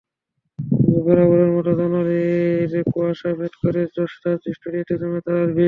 বরাবরের মতো জানুয়ারির কুয়াশা ভেদ করে যশরাজ স্টুডিওতে জমে তারার ভিড়।